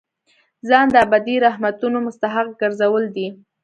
ځان د ابدي رحمتونو مستحق ګرځول دي.